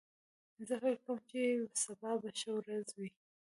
زه فکر کوم چې سبا به ښه ورځ وي